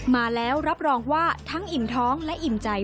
มาแล้วรับรองว่าทั้งอิ่มท้องและอิ่มใจ